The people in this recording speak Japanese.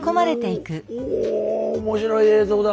おぉ面白い映像だ。